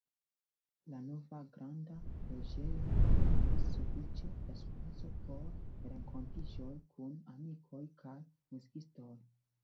La nova granda loĝejo ofertis sufiĉe da spaco por renkontiĝoj kun amikoj kaj muzikistoj.